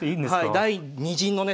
第２陣のね